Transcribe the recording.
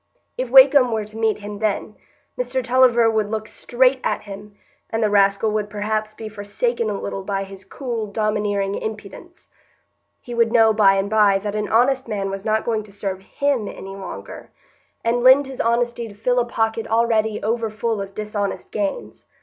If Wakem were to meet him then, Mr Tulliver would look straight at him, and the rascal would perhaps be forsaken a little by his cool, domineering impudence. He would know by and by that an honest man was not going to serve him any longer, and lend his honesty to fill a pocket already over full of dishonest gains.